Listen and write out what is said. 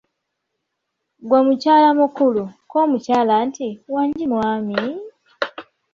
Ggwe mukyala mukulu," Ko omukyala nti:"wangi mwami"